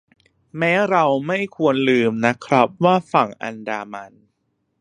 แม้เราไม่ควรลืมนะครับว่าฝั่งอันดามัน